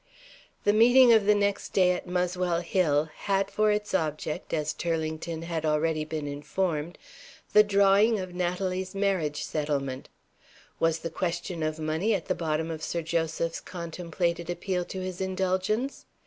The meeting of the next day at Muswell Hill had for its object as Turlington had already been informed the drawing of Natalie's marriage settlement. Was the question of money at the bottom of Sir Joseph's contemplated appeal to his indulgence?